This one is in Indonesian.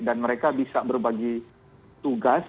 dan mereka bisa berbagi tugas